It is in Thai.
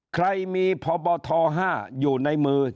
ใครมีพบท๕อยู่ในมือ